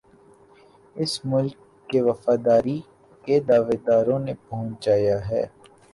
اس ملک کے وفاداری کے دعوے داروں نے پہنچایا ہے